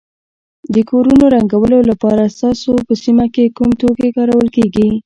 د کورونو رنګولو لپاره ستاسو په سیمه کې کوم توکي کارول کیږي.